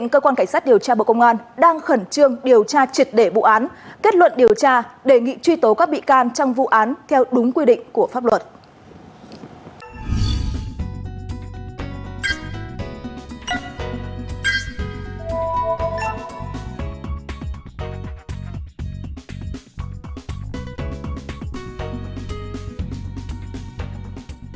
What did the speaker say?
cơ quan cảnh sát điều tra bộ công an đã ra quyết định khởi tố bị can đối với ông nguyễn đức trung nguyên chủ tịch ubnd tp hà nội về tội lợi dụng chức vụ